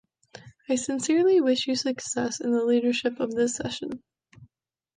I sincerely wish you success in the leadership of this session.